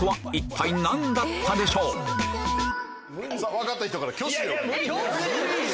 分かった人から挙手で。